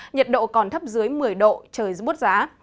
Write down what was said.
nhiệt độ còn thấp dưới một mươi độ trời bút giá